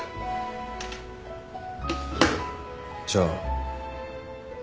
じゃあ。